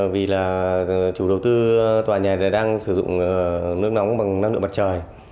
vì là chủ đầu tư tòa nhà này đang sử dụng nước nóng bằng năng lượng mặt trời